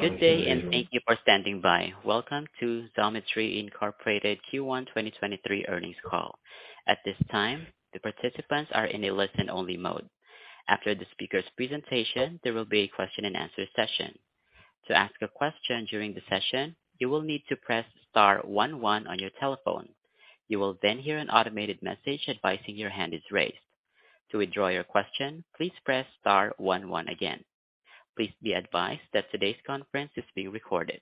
Good day. Thank you for standing by. Welcome to Xometry, Inc. Q1 2023 earnings call. At this time, the participants are in a listen-only mode. After the speaker's presentation, there will be a question-and-answer session. To ask a question during the session, you will need to press star 11 on your telephone. You will hear an automated message advising your hand is raised. To withdraw your question, please press star 11 again. Please be advised that today's conference is being recorded.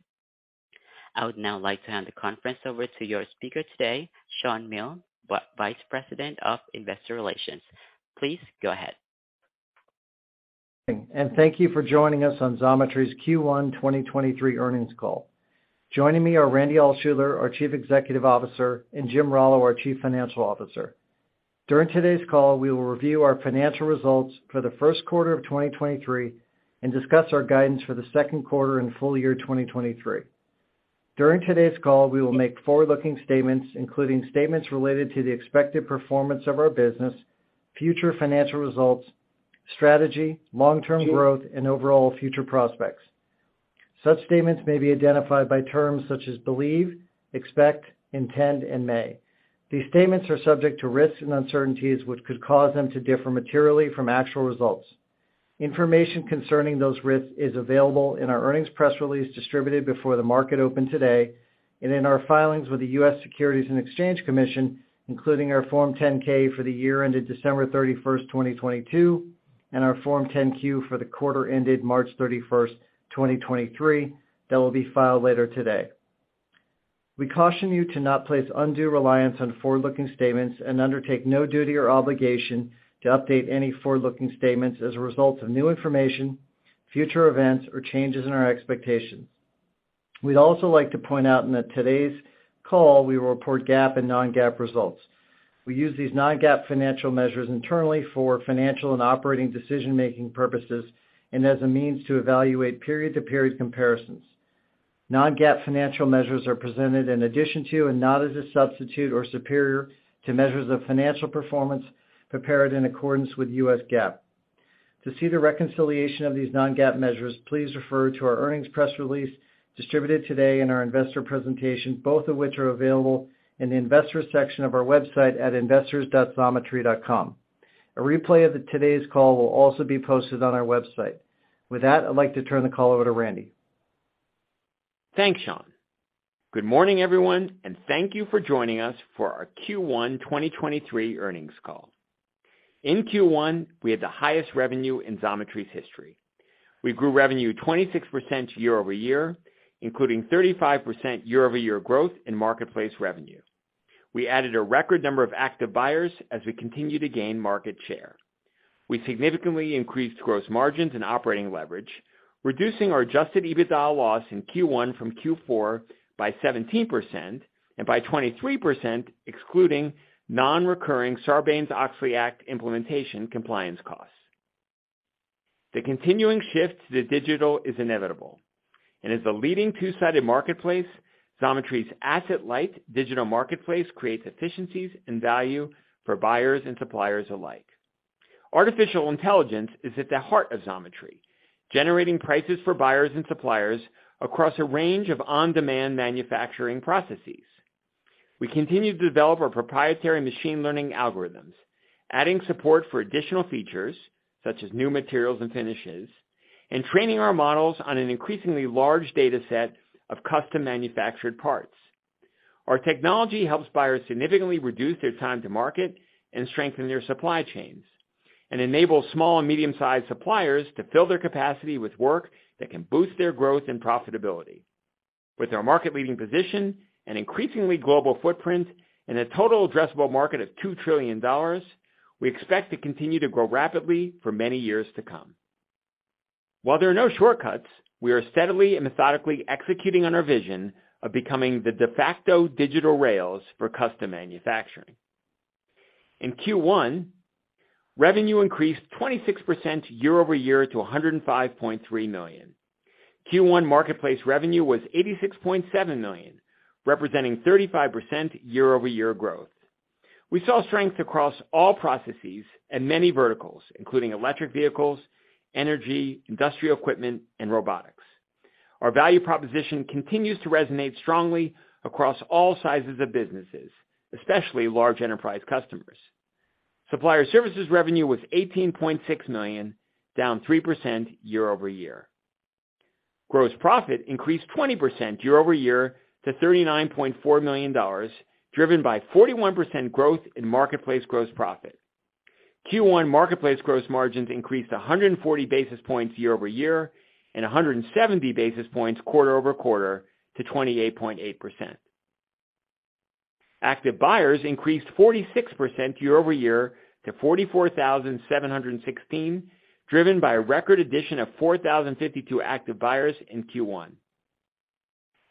I would now like to hand the conference over to your speaker today, Shawn Milne, Vice President of Investor Relations. Please go ahead. Thank you for joining us on Xometry's Q1 2023 earnings call. Joining me are Randy Altschuler, our Chief Executive Officer, and Jim Rallo, our Chief Financial Officer. During today's call, we will review our financial results for the 1st quarter of 2023 and discuss our guidance for the Q2 and full year 2023. During today's call, we will make forward-looking statements, including statements related to the expected performance of our business, future financial results, strategy, long-term growth, and overall future prospects. Such statements may be identified by terms such as believe, expect, intend, and may. These statements are subject to risks and uncertainties which could cause them to differ materially from actual results. Information concerning those risks is available in our earnings press release distributed before the market opened today and in our filings with the US Securities and Exchange Commission, including our Form 10-K for the year ended December 31, 2022, and our Form 10-Q for the quarter ended March 31, 2023. That will be filed later today. We caution you to not place undue reliance on forward-looking statements and undertake no duty or obligation to update any forward-looking statements as a result of new information, future events, or changes in our expectations. We'd also like to point out in that today's call we will report GAAP and non-GAAP results. We use these non-GAAP financial measures internally for financial and operating decision-making purposes and as a means to evaluate period-to-period comparisons. Non-GAAP financial measures are presented in addition to and not as a substitute or superior to measures of financial performance prepared in accordance with US GAAP. To see the reconciliation of these non-GAAP measures, please refer to our earnings press release distributed today in our investor presentation, both of which are available in the investor section of our website at investors.xometry.com. A replay of today's call will also be posted on our website. With that, I'd like to turn the call over to Randy. Thanks, Sean. Good morning, everyone, and thank you for joining us for our Q1 2023 earnings call. In Q1, we had the highest revenue in Xometry's history. We grew revenue 26% year-over-year, including 35% year-over-year growth in marketplace revenue. We added a record number of active buyers as we continue to gain market share. We significantly increased gross margins and operating leverage, reducing our adjusted EBITDA loss in Q1 from Q4 by 17% and by 23% excluding non-recurring Sarbanes-Oxley Act implementation compliance costs. The continuing shift to digital is inevitable, and as the leading two-sided marketplace, Xometry's asset-light digital marketplace creates efficiencies and value for buyers and suppliers alike. Artificial intelligence is at the heart of Xometry, generating prices for buyers and suppliers across a range of on-demand manufacturing processes. We continue to develop our proprietary machine learning algorithms, adding support for additional features such as new materials and finishes, and training our models on an increasingly large data set of custom manufactured parts. Our technology helps buyers significantly reduce their time to market and strengthen their supply chains and enable small and medium-sized suppliers to fill their capacity with work that can boost their growth and profitability. With our market-leading position and increasingly global footprint and a total addressable market of $2 trillion, we expect to continue to grow rapidly for many years to come. While there are no shortcuts, we are steadily and methodically executing on our vision of becoming the de facto digital rails for custom manufacturing. In Q1, revenue increased 26% year-over-year to $105.3 million. Q1 marketplace revenue was $86.7 million, representing 35% year-over-year growth. We saw strength across all processes and many verticals, including electric vehicles, energy, industrial equipment, and robotics. Our value proposition continues to resonate strongly across all sizes of businesses, especially large enterprise customers. Supplier services revenue was $18.6 million, down 3% year-over-year. Gross profit increased 20% year-over-year to $39.4 million, driven by 41% growth in marketplace gross profit. Q1 marketplace gross margins increased 140 basis points year-over-year, and 170 basis points quarter-over-quarter to 28.8%. Active buyers increased 46% year-over-year to 44,716, driven by a record addition of 4,052 active buyers in Q1.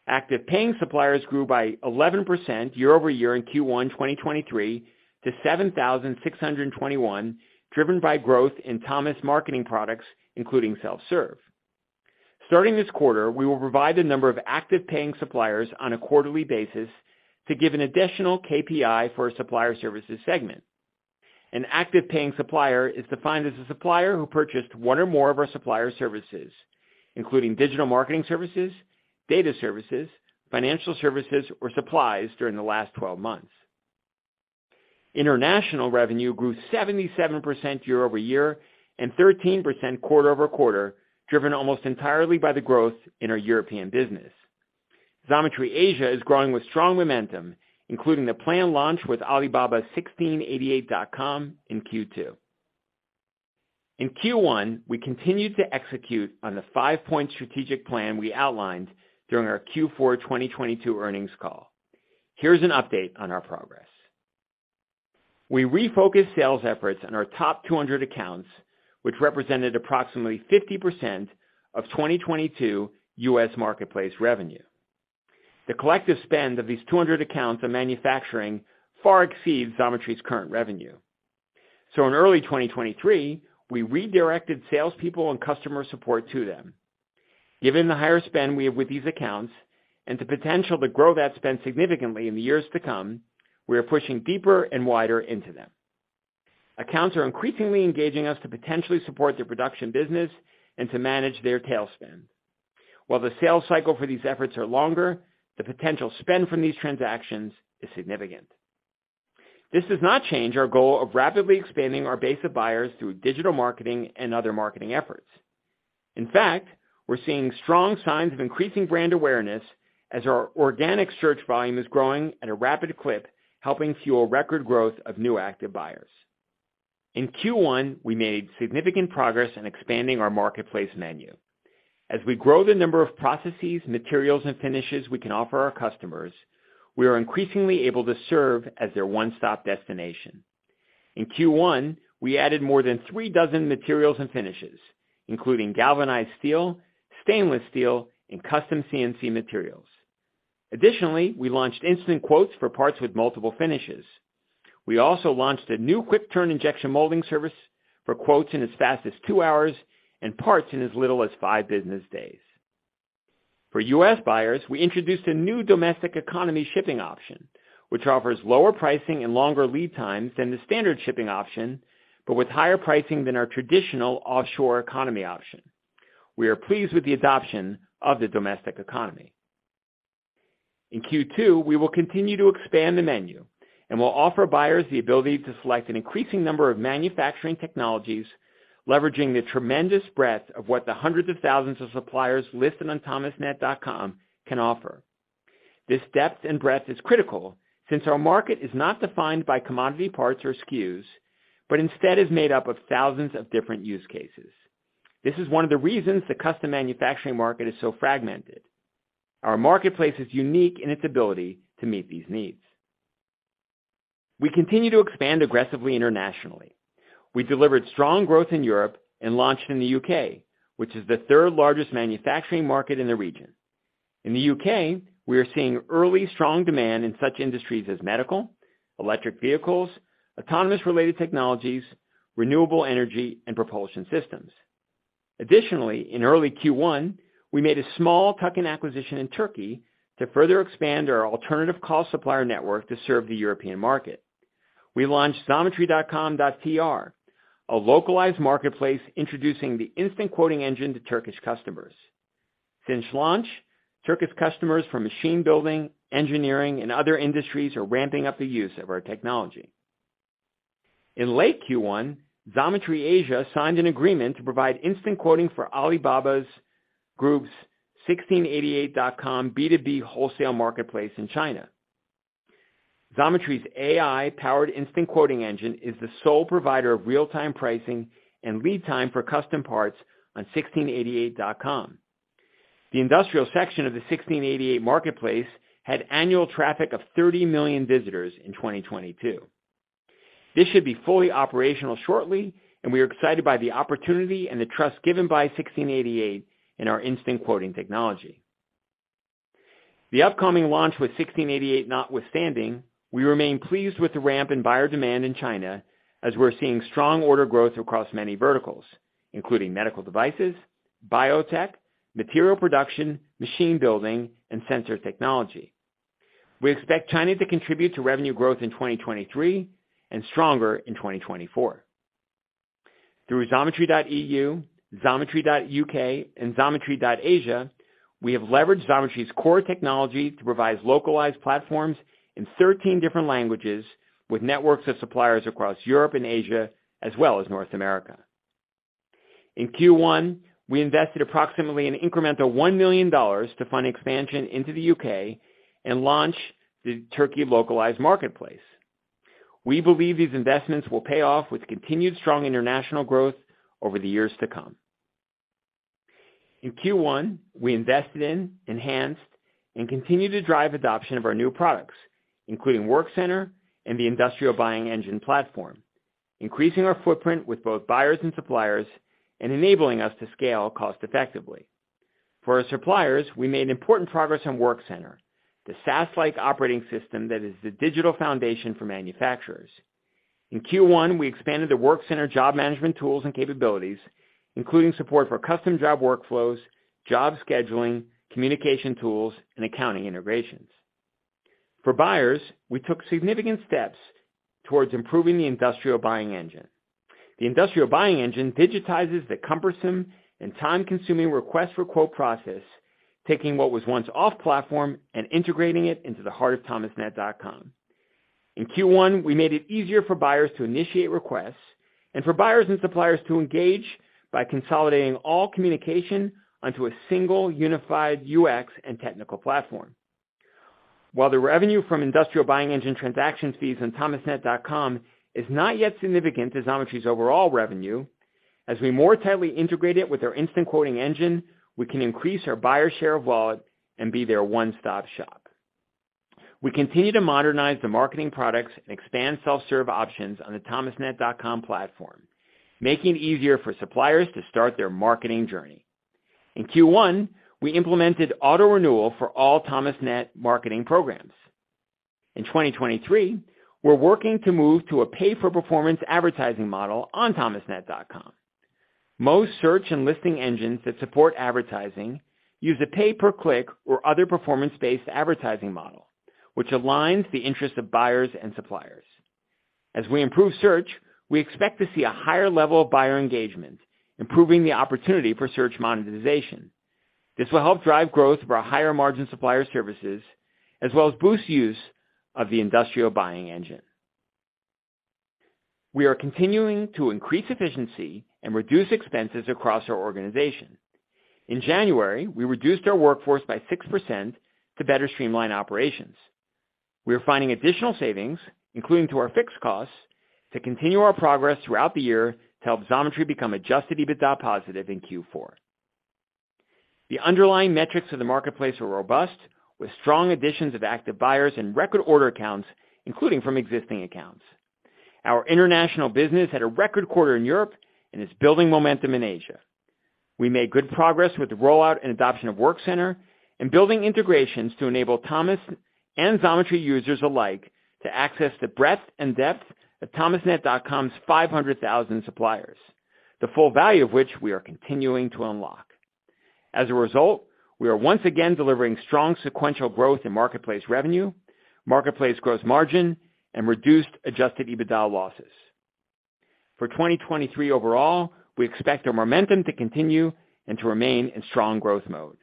Active paying suppliers grew by 11% year-over-year in Q1 2023 to 7,621, driven by growth in Thomas Marketing Services products, including self-serve. Starting this quarter, we will provide the number of active paying suppliers on a quarterly basis to give an additional KPI for a supplier services segment. An active paying supplier is defined as a supplier who purchased one or more of our supplier services, including digital marketing services, data services, financial services, or supplies during the last 12 months. International revenue grew 77% year-over-year and 13% quarter-over-quarter, driven almost entirely by the growth in our European business. Xometry Asia is growing with strong momentum, including the planned launch with Alibaba's 1688.com in Q2. In Q1, we continued to execute on the five-point strategic plan we outlined during our Q4 2022 earnings call. Here's an update on our progress. We refocused sales efforts on our top 200 accounts, which represented approximately 50% of 2022 U.S. marketplace revenue. The collective spend of these 200 accounts on manufacturing far exceeds Xometry's current revenue. In early 2023, we redirected salespeople and customer support to them. Given the higher spend we have with these accounts and the potential to grow that spend significantly in the years to come, we are pushing deeper and wider into them. Accounts are increasingly engaging us to potentially support their production business and to manage their tail spend. While the sales cycle for these efforts are longer, the potential spend from these transactions is significant. This does not change our goal of rapidly expanding our base of buyers through digital marketing and other marketing efforts. In fact, we're seeing strong signs of increasing brand awareness as our organic search volume is growing at a rapid clip, helping fuel record growth of new active buyers. In Q1, we made significant progress in expanding our marketplace menu. As we grow the number of processes, materials, and finishes we can offer our customers, we are increasingly able to serve as their one-stop destination. In Q1, we added more than three dozen materials and finishes, including galvanized steel, stainless steel, and custom CNC materials. Additionally, we launched instant quotes for parts with multiple finishes. We also launched a new quick turn injection molding service for quotes in as fast as two hours and parts in as little as five business days. For U.S. buyers, we introduced a new domestic economy shipping option, which offers lower pricing and longer lead times than the standard shipping option, but with higher pricing than our traditional offshore economy option. We are pleased with the adoption of the domestic economy. In Q2, we will continue to expand the menu, and we'll offer buyers the ability to select an increasing number of manufacturing technologies, leveraging the tremendous breadth of what the hundreds of thousands of suppliers listed on Thomasnet.com can offer. This depth and breadth is critical since our market is not defined by commodity parts or SKUs, but instead is made up of thousands of different use cases. This is one of the reasons the custom manufacturing market is so fragmented. Our marketplace is unique in its ability to meet these needs. We continue to expand aggressively internationally. We delivered strong growth in Europe and launched in the U.K., which is the third-largest manufacturing market in the region. In the U.K., we are seeing early strong demand in such industries as medical, electric vehicles, autonomous-related technologies, renewable energy, and propulsion systems. In early Q1, we made a small tuck-in acquisition in Turkey to further expand our alternative cost supplier network to serve the European market. We launched xometry.com.tr, a localized marketplace introducing the instant quoting engine to Turkish customers. Since launch, Turkish customers from machine building, engineering, and other industries are ramping up the use of our technology. In late Q1, Xometry Asia signed an agreement to provide instant quoting for Alibaba Group's 1688.com B2B wholesale marketplace in China. Xometry's AI-powered instant quoting engine is the sole provider of real-time pricing and lead time for custom parts on 1688.com. The industrial section of the 1688 marketplace had annual traffic of 30 million visitors in 2022. This should be fully operational shortly, and we are excited by the opportunity and the trust given by 1688 in our instant quoting technology. The upcoming launch with 1688 notwithstanding, we remain pleased with the ramp in buyer demand in China as we're seeing strong order growth across many verticals, including medical devices, biotech, material production, machine building, and sensor technology. We expect China to contribute to revenue growth in 2023 and stronger in 2024. Through xometry.eu, xometry.uk, and xometry.asia, we have leveraged Xometry's core technology to provide localized platforms in 13 different languages with networks of suppliers across Europe and Asia, as well as North America. In Q1, we invested approximately an incremental $1 million to fund expansion into the U.K. and launch the Turkey localized marketplace. We believe these investments will pay off with continued strong international growth over the years to come. In Q1, we invested in, enhanced, and continued to drive adoption of our new products, including Workcenter and the Industrial Buying Engine platform, increasing our footprint with both buyers and suppliers and enabling us to scale cost-effectively. For our suppliers, we made important progress on Workcenter, the SaaS-like operating system that is the digital foundation for manufacturers. In Q1, we expanded the Workcenter job management tools and capabilities, including support for custom job workflows, job scheduling, communication tools, and accounting integrations. For buyers, we took significant steps towards improving the Industrial Buying Engine. The Industrial Buying Engine digitizes the cumbersome and time-consuming request for quote process, taking what was once off platform and integrating it into the heart of Thomasnet.com. In Q1, we made it easier for buyers to initiate requests and for buyers and suppliers to engage by consolidating all communication onto a single unified UX and technical platform. While the revenue from Industrial Buying Engine transaction fees on Thomasnet.com is not yet significant to Xometry's overall revenue, as we more tightly integrate it with our instant quoting engine, we can increase our buyer share of wallet and be their one-stop-shop. We continue to modernize the marketing products and expand self-serve options on the Thomasnet.com platform, making it easier for suppliers to start their marketing journey. In Q1, we implemented auto-renewal for all Thomasnet marketing programs. In 2023, we're working to move to a pay-for-performance advertising model on Thomasnet.com. Most search and listing engines that support advertising use a pay-per-click or other performance-based advertising model, which aligns the interest of buyers and suppliers. As we improve search, we expect to see a higher level of buyer engagement, improving the opportunity for search monetization. This will help drive growth of our higher margin supplier services, as well as boost use of the Industrial Buying Engine. We are continuing to increase efficiency and reduce expenses across our organization. In January, we reduced our workforce by 6% to better streamline operations. We are finding additional savings, including to our fixed costs, to continue our progress throughout the year to help Xometry become adjusted EBITDA positive in Q4. The underlying metrics of the marketplace are robust, with strong additions of active buyers and record order accounts, including from existing accounts. Our international business had a record quarter in Europe and is building momentum in Asia. We made good progress with the rollout and adoption of Workcenter and building integrations to enable Thomas and Xometry users alike to access the breadth and depth of Thomasnet.com's 500,000 suppliers, the full value of which we are continuing to unlock. As a result, we are once again delivering strong sequential growth in marketplace revenue, marketplace gross margin, and reduced adjusted EBITDA losses. For 2023 overall, we expect our momentum to continue and to remain in strong growth mode.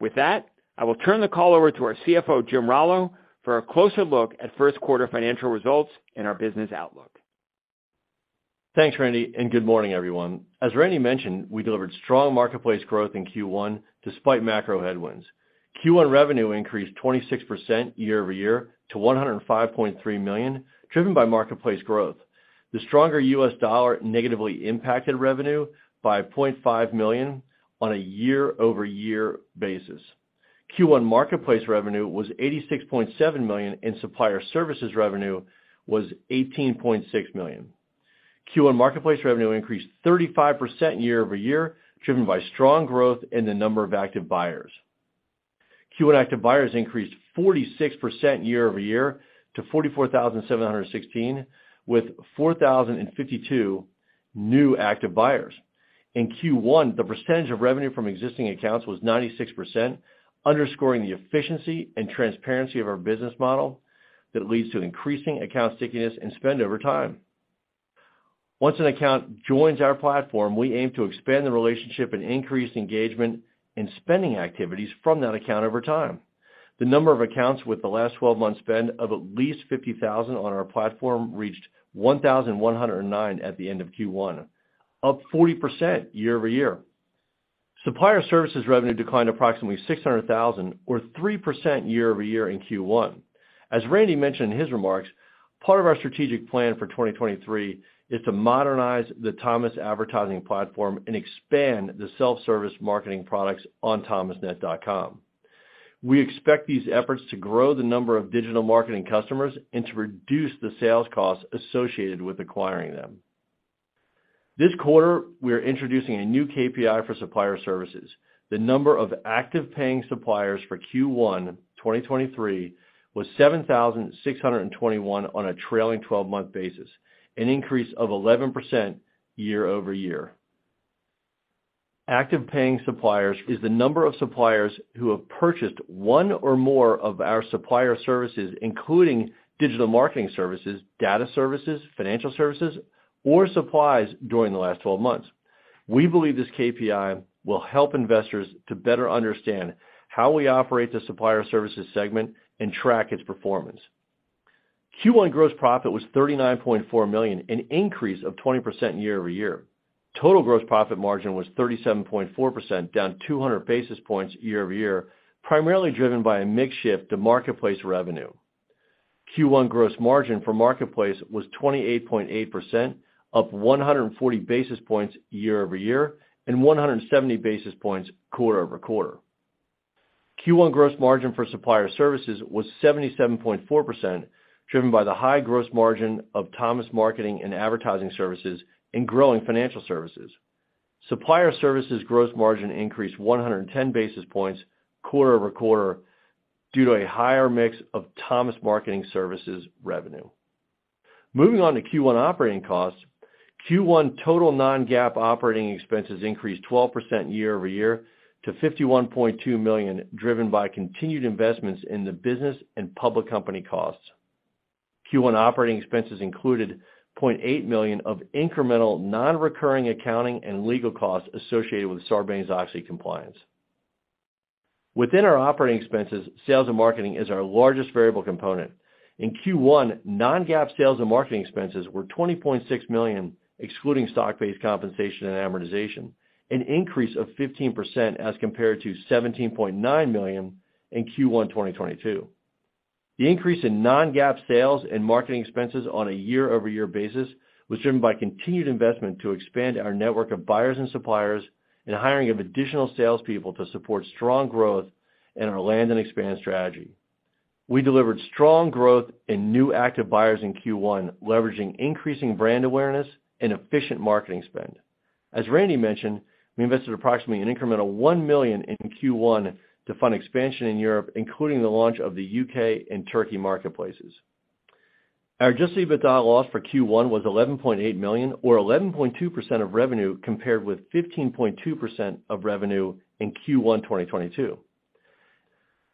With that, I will turn the call over to our CFO, Jim Rallo, for a closer look at Q1 financial results and our business outlook. Thanks, Randy, good morning, everyone. As Randy mentioned, we delivered strong marketplace growth in Q1 despite macro headwinds. Q1 revenue increased 26% year-over-year to $105.3 million, driven by marketplace growth. The stronger U.S. dollar negatively impacted revenue by $0.5 million on a year-over-year basis. Q1 marketplace revenue was $86.7 million, and supplier services revenue was $18.6 million. Q1 marketplace revenue increased 35% year-over-year, driven by strong growth in the number of active buyers. Q1 active buyers increased 46% year-over-year to 44,716, with 4,052 new active buyers. In Q1, the percentage of revenue from existing accounts was 96%, underscoring the efficiency and transparency of our business model that leads to increasing account stickiness and spend over time. Once an account joins our platform, we aim to expand the relationship and increase engagement and spending activities from that account over time. The number of accounts with the last 12 months spend of at least 50,000 on our platform reached 1,109 at the end of Q1, up 40% year-over-year. Supplier services revenue declined approximately $600,000 or 3% year-over-year in Q1. As Randy mentioned in his remarks, part of our strategic plan for 2023 is to modernize the Thomas advertising platform and expand the self-service marketing products on thomasnet.com. We expect these efforts to grow the number of digital marketing customers and to reduce the sales costs associated with acquiring them. This quarter, we are introducing a new KPI for supplier services. The number of active paying suppliers for Q1 2023 was 7,621 on a trailing 12-month basis, an increase of 11% year-over-year. Active paying suppliers is the number of suppliers who have purchased one or more of our supplier services, including digital marketing services, data services, financial services, or supplies during the last 12 months. We believe this KPI will help investors to better understand how we operate the supplier services segment and track its performance. Q1 gross profit was $39.4 million, an increase of 20% year-over-year. Total gross profit margin was 37.4%, down 200 basis points year-over-year, primarily driven by a mix shift to marketplace revenue. Q1 gross margin for Marketplace was 28.8%, up 140 basis points year-over-year and 170 basis points quarter-over-quarter. Q1 gross margin for supplier services was 77.4%, driven by the high gross margin of Thomas marketing and advertising services and growing financial services. Supplier services gross margin increased 110 basis points quarter-over-quarter due to a higher mix of Thomas marketing services revenue. Moving on to Q1 operating costs. Q1 total non-GAAP operating expenses increased 12% year-over-year to $51.2 million, driven by continued investments in the business and public company costs. Q1 operating expenses included $0.8 million of incremental non-recurring accounting and legal costs associated with Sarbanes-Oxley compliance. Within our operating expenses, sales and marketing is our largest variable component. In Q1, non-GAAP sales and marketing expenses were $20.6 million, excluding stock-based compensation and amortization, an increase of 15% as compared to $17.9 million in Q1 2022. The increase in non-GAAP sales and marketing expenses on a year-over-year basis was driven by continued investment to expand our network of buyers and suppliers and hiring of additional salespeople to support strong growth in our land and expand strategy. We delivered strong growth in new active buyers in Q1, leveraging increasing brand awareness and efficient marketing spend. As Randy mentioned, we invested approximately an incremental $1 million in Q1 to fund expansion in Europe, including the launch of the UK and Turkey marketplaces. Our adjusted EBITDA loss for Q1 was $11.8 million or 11.2% of revenue compared with 15.2% of revenue in Q1 2022.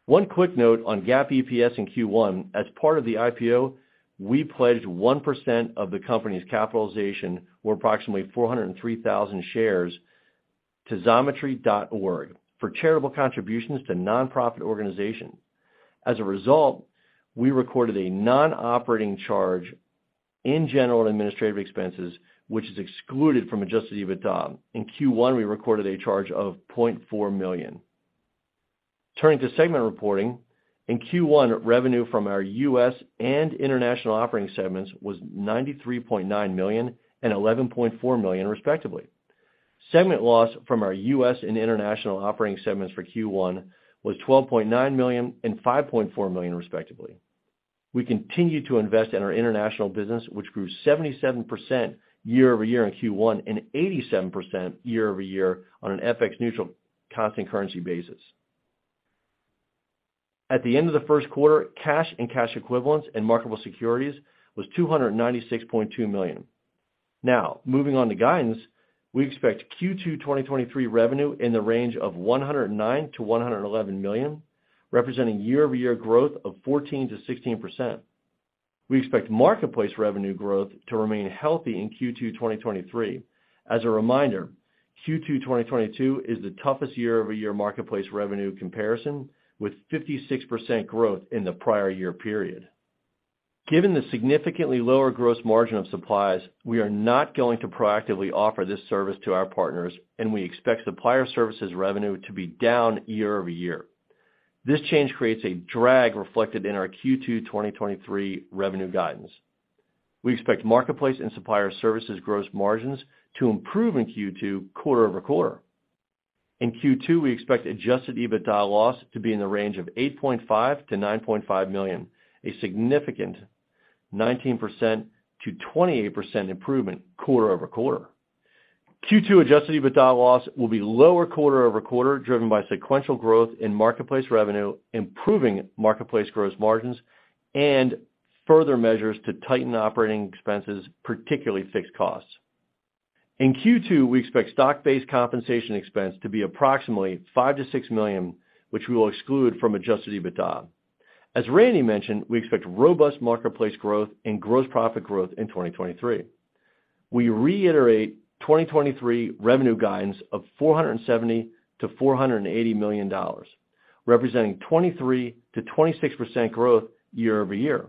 One quick note on GAAP EPS in Q1. As part of the IPO, we pledged 1% of the company's capitalization, or approximately 403,000 shares, to Xometry.org for charitable contributions to nonprofit organizations. As a result, we recorded a non-operating charge in general and administrative expenses, which is excluded from adjusted EBITDA. In Q1, we recorded a charge of $0.4 million. Turning to segment reporting. In Q1, revenue from our US and international operating segments was $93.9 million and $11.4 million, respectively. Segment loss from our US and international operating segments for Q1 was $12.9 million and $5.4 million, respectively. We continue to invest in our international business, which grew 77% year-over-year in Q1, and 87% year-over-year on an FX neutral constant currency basis. At the end of the Q1, cash and cash equivalents and marketable securities was $296.2 million. Moving on to guidance. We expect Q2 2023 revenue in the range of $109 million-$111 million, representing year-over-year growth of 14%-16%. We expect marketplace revenue growth to remain healthy in Q2 2023. As a reminder, Q2 2022 is the toughest year-over-year marketplace revenue comparison, with 56% growth in the prior year period. Given the significantly lower gross margin of supplies, we are not going to proactively offer this service to our partners, and we expect supplier services revenue to be down year-over-year. This change creates a drag reflected in our Q2 2023 revenue guidance. We expect marketplace and supplier services gross margins to improve in Q2 quarter-over-quarter. In Q2, we expect adjusted EBITDA loss to be in the range of $8.5 million-$9.5 million, a significant 19%-28% improvement quarter-over-quarter. Q2 adjusted EBITDA loss will be lower quarter-over-quarter, driven by sequential growth in marketplace revenue, improving marketplace gross margins, and further measures to tighten operating expenses, particularly fixed costs. In Q2, we expect stock-based compensation expense to be approximately $5 million-$6 million, which we will exclude from adjusted EBITDA. As Randy mentioned, we expect robust marketplace growth and gross profit growth in 2023. We reiterate 2023 revenue guidance of $470 million-$480 million, representing 23%-26% growth year-over-year.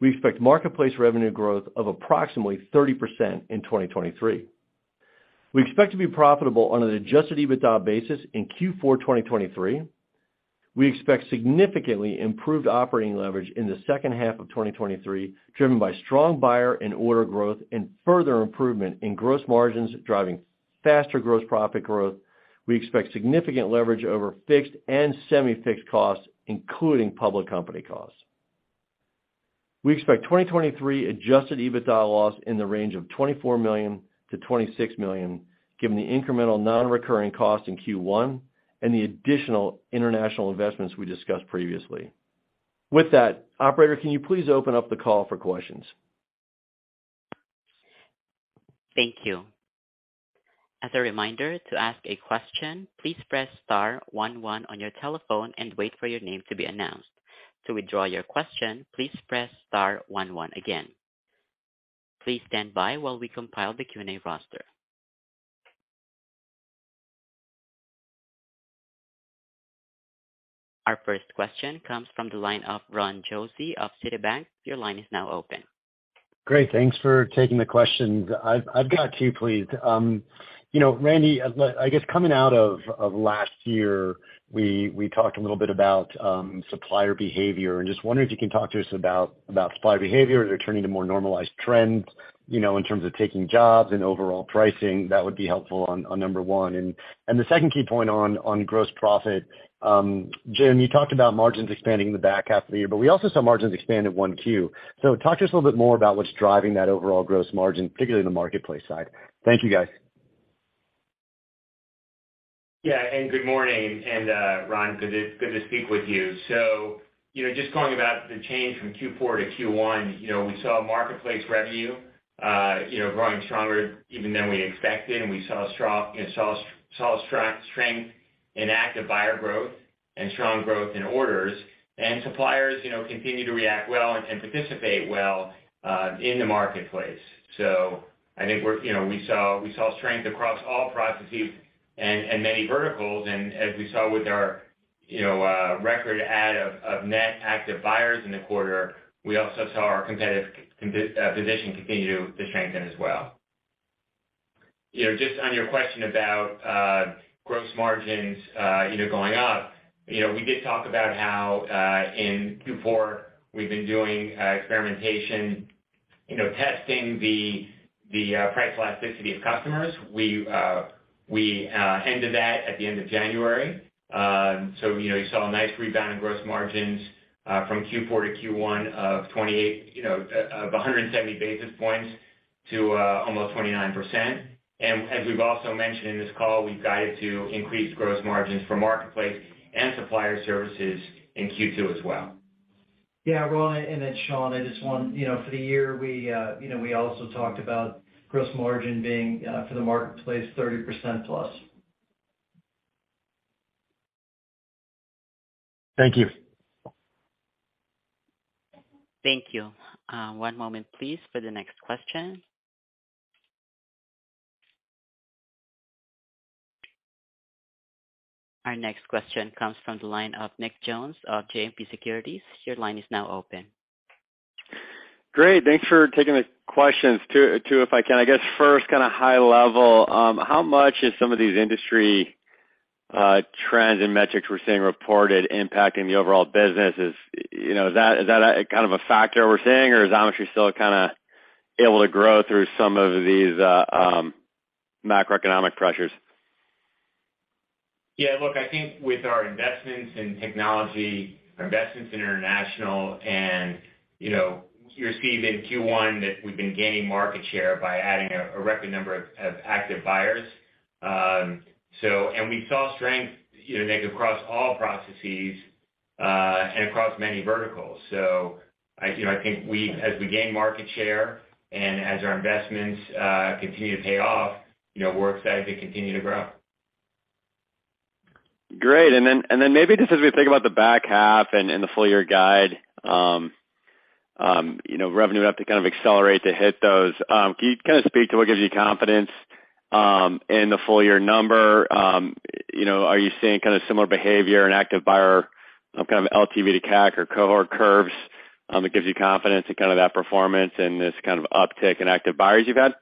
We expect marketplace revenue growth of approximately 30% in 2023. We expect to be profitable on an adjusted EBITDA basis in Q4 2023. We expect significantly improved operating leverage in the second half of 2023, driven by strong buyer and order growth and further improvement in gross margins driving faster gross profit growth. We expect significant leverage over fixed and semi-fixed costs, including public company costs. We expect 2023 adjusted EBITDA loss in the range of $24 million-$26 million, given the incremental non-recurring cost in Q1 and the additional international investments we discussed previously. With that, operator, can you please open up the call for questions? Thank you. As a reminder, to ask a question, please press star one one on your telephone and wait for your name to be announced. To withdraw your question, please press star one one again. Please stand by while we compile the Q&A roster. Our first question comes from the line of Ron Josey of Citi. Your line is now open. Great. Thanks for taking the questions. I've got two, please. you know, Randy, I guess coming out of last year, we talked a little bit about supplier behavior and just wondering if you can talk to us about supplier behavior. Are they returning to more normalized trends, you know, in terms of taking jobs and overall pricing? That would be helpful on number one. the second key point on gross profit, Jim, you talked about margins expanding in the back half of the year, but we also saw margins expand at 1Q. Talk to us a little bit more about what's driving that overall gross margin, particularly in the marketplace side. Thank you, guys. Yeah. Good morning. Ron, good to speak with you. You know, just going about the change from Q4 to Q1, you know, we saw marketplace revenue, you know, growing stronger even than we expected, and we saw a strong strength in active buyer growth and strong growth in orders. Suppliers, you know, continue to react well and participate well in the marketplace. I think you know, we saw strength across all processes and many verticals. As we saw with our, you know, record add of net active buyers in the quarter, we also saw our competitive position continue to strengthen as well. Just on your question about gross margins, you know, going up. You know, we did talk about how, in Q4 we've been doing experimentation, you know, testing the price elasticity of customers. We ended that at the end of January. You know, you saw a nice rebound in gross margins, from Q4 to Q1 of 28%, you know, of 170 basis points to almost 29%. As we've also mentioned in this call, we've guided to increased gross margins for marketplace and supplier services in Q2 as well. Yeah. Ron, it's Shawn, You know, for the year we, you know, we also talked about gross margin being for the marketplace, 30% plus. Thank you. Thank you. one moment please for the next question. Our next question comes from the line of Nick Jones of JMP Securities. Your line is now open. Great. Thanks for taking the questions. Two, if I can. I guess first kinda high level, how much is some of these industry trends and metrics we're seeing reported impacting the overall business? Is, you know, is that a kind of a factor we're seeing or is Xometry still kinda able to grow through some of these macroeconomic pressures? Yeah. Look, I think with our investments in technology, our investments in international, and, you know, you're seeing in Q1 that we've been gaining market share by adding a record number of active buyers. And we saw strength, you know, Nick, across all processes, and across many verticals. I, you know, I think as we gain market share and as our investments, continue to pay off, you know, we're excited to continue to grow. Great. Maybe just as we think about the back half and the full year guide, you know, revenue would have to kind of accelerate to hit those. Can you kinda speak to what gives you confidence in the full year number? You know, are you seeing kinda similar behavior in active buyer, kind of LTV to CAC or cohort curves, that gives you confidence in kind of that performance and this kind of uptick in active buyers you've had?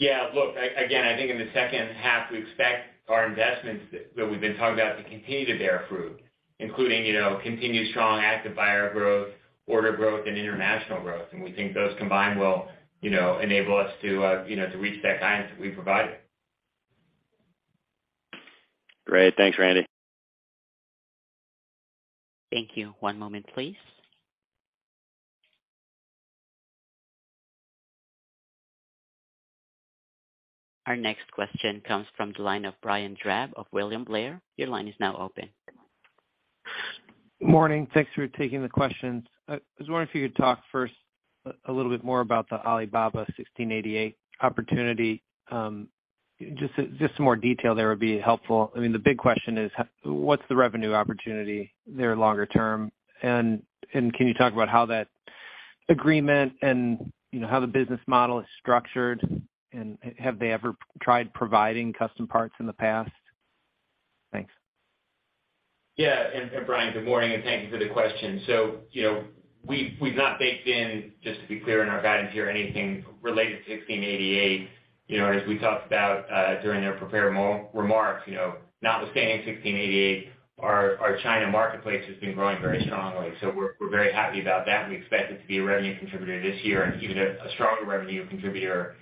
Yeah. Look, again, I think in the second half, we expect our investments that we've been talking about to continue to bear fruit, including, you know, continued strong active buyer growth, order growth, and international growth. We think those combined will, you know, enable us to, you know, to reach that guidance that we've provided. Great. Thanks, Randy. Thank you. One moment, please. Our next question comes from the line of Brian Drab of William Blair. Your line is now open. Morning. Thanks for taking the questions. I was wondering if you could talk first a little bit more about the Alibaba 1688 opportunity. Just some more detail there would be helpful. I mean, the big question is what's the revenue opportunity there longer term? Can you talk about how that agreement and, you know, how the business model is structured? Have they ever tried providing custom parts in the past? Thanks. Yeah. Brian, good morning, and thank you for the question. You know, we've not baked in, just to be clear, in our guidance here anything related to 1688. You know, as we talked about during our prepared remarks, you know, notwithstanding 1688, our China marketplace has been growing very strongly. We're very happy about that, and we expect it to be a revenue contributor this year and even a stronger revenue contributor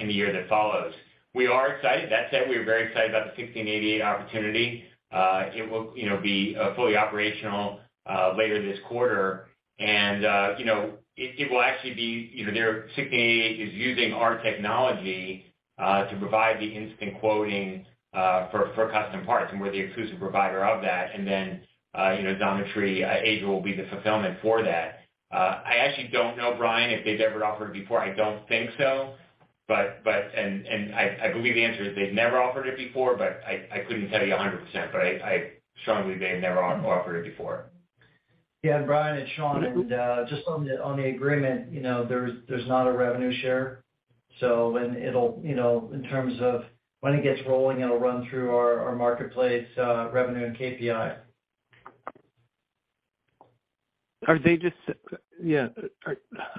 in the year that follows. We are excited. That said, we are very excited about the 1688 opportunity. It will, you know, be fully operational later this quarter. you know, it will actually be, you know, their 1688 is using our technology to provide the instant quoting for custom parts, and we're the exclusive provider of that. then, you know, Xometry Agent will be the fulfillment for that. I actually don't know, Brian, if they've ever offered before. I don't think so, but. I believe the answer is they've never offered it before, but I couldn't tell you 100%. I strongly believe they have never offered it before. Yeah. Brian, it's Shawn. Just on the agreement, you know, there's not a revenue share. When it'll, you know, in terms of when it gets rolling, it'll run through our marketplace, revenue and KPI. Yeah.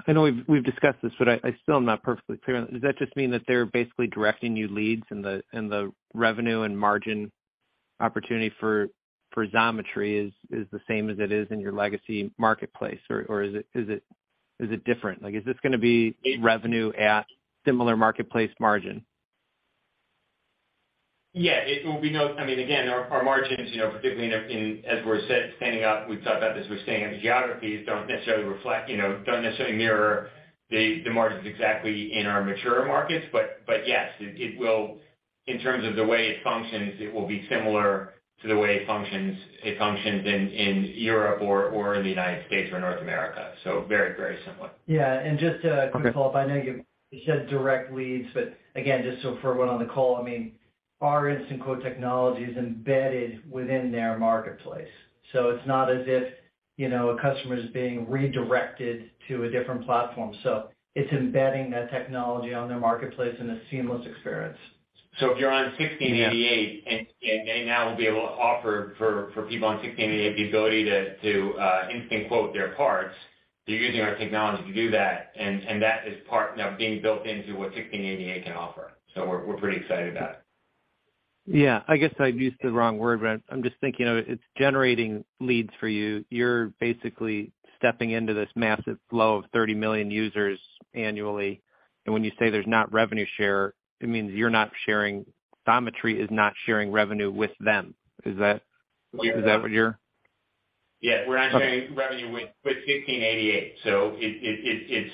I know we've discussed this, but I still am not perfectly clear on it. Does that just mean that they're basically directing you leads and the revenue and margin opportunity for Xometry is the same as it is in your legacy marketplace, or is it different? Like, is this gonna be revenue at similar marketplace margin? Yeah. I mean, again, our margins, you know, particularly as we're set expanding out, we've talked about this, we're staying in the geographies, don't necessarily reflect, you know, don't necessarily mirror the margins exactly in our mature markets. But yes, In terms of the way it functions, it will be similar to the way it functions in Europe or in the United States or North America. very similar. Yeah. Just to quickly follow up. I know you said direct leads, but again, just so for everyone on the call, I mean, our instant quote technology is embedded within their marketplace. It's not as if, you know, a customer is being redirected to a different platform. It's embedding that technology on their marketplace in a seamless experience. If you're on 1688.com, and they now will be able to offer for people on 1688.com the ability to instant quote their parts, they're using our technology to do that. That is part now being built into what 1688.com can offer. We're pretty excited about it. Yeah. I guess I've used the wrong word, but I'm just thinking, you know, it's generating leads for you. You're basically stepping into this massive flow of 30 million users annually. When you say there's not revenue share, it means you're not sharing revenue with them. Is that what you're... Yeah. We're not sharing revenue with 1688.com. It's,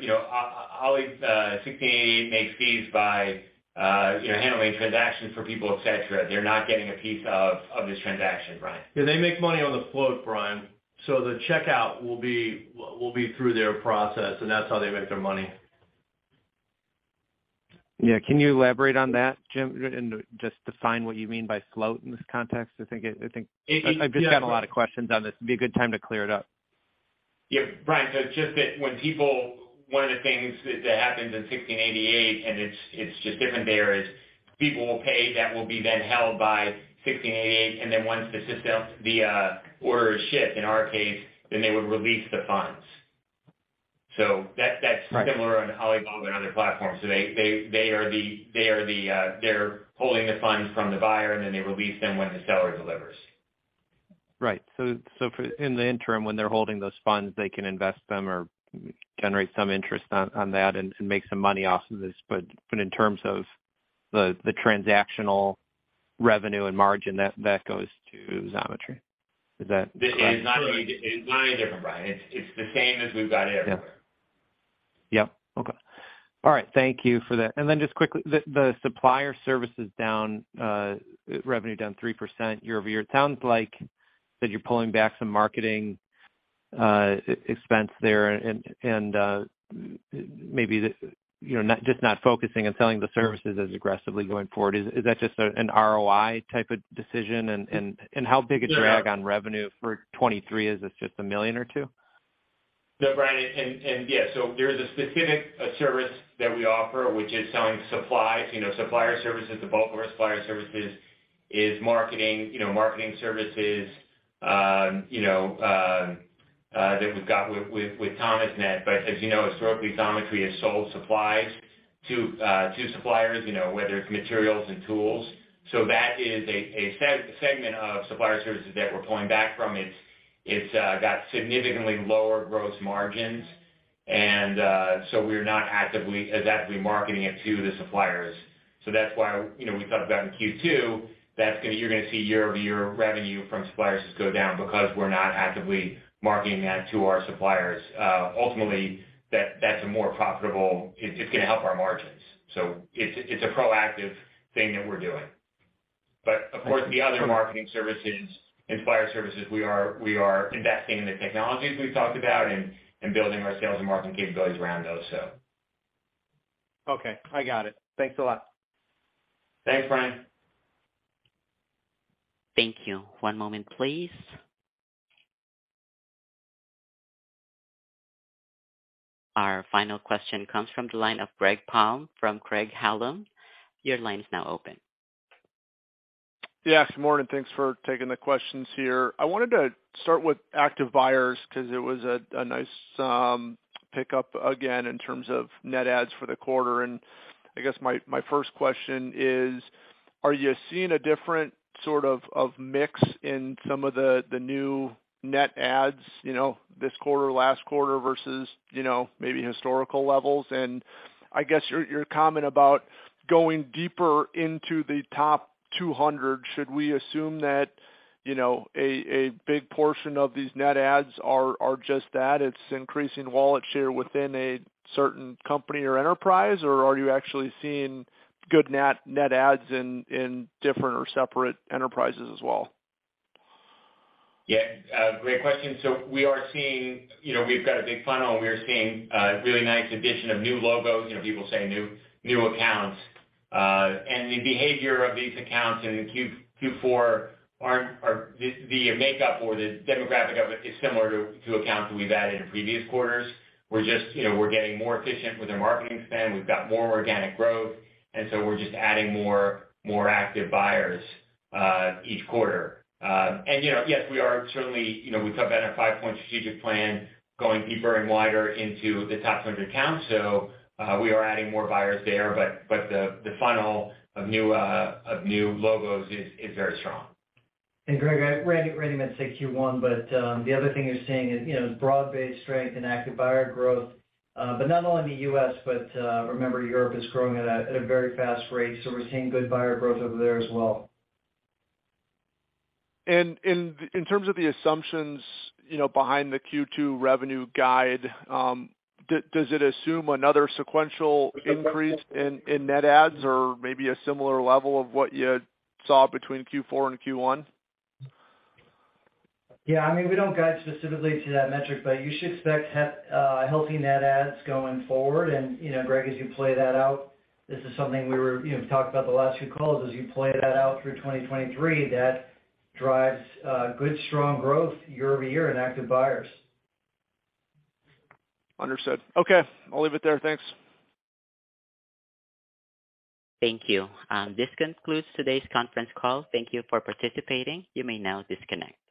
you know, 1688.com makes fees by, you know, handling transactions for people, et cetera. They're not getting a piece of this transaction, Brian. Yeah, they make money on the float, Brian. The checkout will be through their process, and that's how they make their money. Yeah. Can you elaborate on that, Jim, and just define what you mean by float in this context? I think. I've just got a lot of questions on this. It'd be a good time to clear it up. Yeah, Brian, One of the things that happens in 1688, and it's just different there, is people will pay, that will be then held by 1688, and then once the order is shipped in our case, then they would release the funds. That's similar on Alibaba and other platforms. They are the, they're holding the funds from the buyer, and then they release them when the seller delivers. Right. In the interim, when they're holding those funds, they can invest them or generate some interest on that and make some money off of this. In terms of the transactional revenue and margin, that goes to Xometry. Is that correct? It's not any different, Brian. It's the same as we've got everywhere. Yeah. Yep. Okay. All right. Thank you for that. Then just quickly, the supplier services down, revenue down 3% year-over-year. It sounds like that you're pulling back some marketing, e-expense there and, maybe, you know, just not focusing on selling the services as aggressively going forward. Is that just an ROI type of decision? How big a drag on revenue for 2023 is it, just $1 million or $2 million? No, Brian. Yeah. There is a specific service that we offer, which is selling supplies, you know, supplier services. The bulk of our supplier services is marketing, you know, marketing services that we've got with Thomasnet. As you know, historically, Xometry has sold supplies to suppliers, you know, whether it's materials and tools. That is a segment of supplier services that we're pulling back from. It's got significantly lower gross margins. We're not actively, as actively marketing it to the suppliers. That's why, you know, we talked about in Q2, you're gonna see year-over-year revenue from suppliers just go down because we're not actively marketing that to our suppliers. Ultimately, that's a more profitable... It's gonna help our margins. It's a proactive thing that we're doing. Of course, the other marketing services and supplier services, we are investing in the technologies we've talked about and building our sales and marketing capabilities around those. Okay, I got it. Thanks a lot. Thanks, Brian. Thank you. One moment, please. Our final question comes from the line of Greg Palm from Craig-Hallum. Your line's now open. Yeah. Good morning. Thanks for taking the questions here. I wanted to start with active buyers because it was a nice pickup again in terms of net adds for the quarter. I guess my first question is, are you seeing a different sort of mix in some of the new net adds, you know, this quarter, last quarter versus, you know, maybe historical levels? I guess your comment about going deeper into the top 200, should we assume that, you know, a big portion of these net adds are just that, it's increasing wallet share within a certain company or enterprise? Or are you actually seeing good net adds in different or separate enterprises as well? Yeah. Great question. We are seeing. You know, we've got a big funnel, and we are seeing a really nice addition of new logos. You know, people say new accounts. The behavior of these accounts in Q4 or the makeup or the demographic of it is similar to accounts that we've added in previous quarters. We're just, you know, we're getting more efficient with our marketing spend. We've got more organic growth, we're just adding more active buyers each quarter. You know, yes, we are certainly. You know, we talk about in our 5-point strategic plan, going deeper and wider into the top 100 accounts. We are adding more buyers there, but the funnel of new logos is very strong. Greg, Randy meant to say Q1, but the other thing you're seeing is, you know, broad-based strength and active buyer growth, but not only in the U.S., but remember Europe is growing at a very fast rate, so we're seeing good buyer growth over there as well. In terms of the assumptions, you know, behind the Q2 revenue guide, does it assume another sequential increase in net adds or maybe a similar level of what you saw between Q4 and Q1? Yeah. I mean, we don't guide specifically to that metric, but you should expect healthy net adds going forward. You know, Greg, as you play that out, this is something we were, you know, talked about the last few calls. As you play that out through 2023, that drives good, strong growth year-over-year in active buyers. Understood. Okay. I'll leave it there. Thanks. Thank you. This concludes today's conference call. Thank you for participating. You may now disconnect.